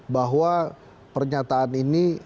bahwa pernyataan ini